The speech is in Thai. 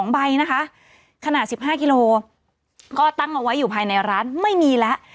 ๒ใบนะคะขนาด๑๕กิโลก็ตั้งเอาไว้อยู่ภายในร้านไม่มีแล้ว